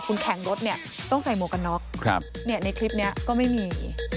คุณแข่งรถเนี่ยต้องใส่หมวกกันน็อกในคลิปนี้ก็ไม่มี